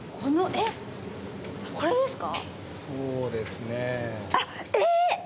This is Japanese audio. あっこれですか？